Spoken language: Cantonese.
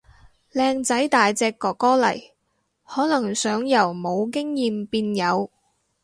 靚仔大隻哥哥嚟，可能想由冇經驗變有